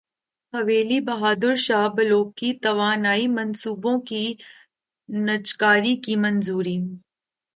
حویلی بہادر شاہ بلوکی توانائی منصوبوں کی نجکاری کی منظوری